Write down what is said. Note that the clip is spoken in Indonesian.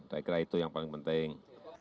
saya kira itu yang paling penting